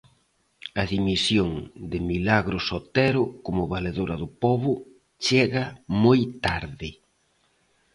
A dimisión de Milagros Otero como Valedora do Pobo chega moi tarde.